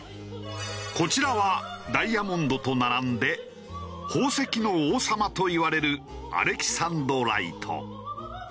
こちらはダイヤモンドと並んで宝石の王様といわれるアレキサンドライト。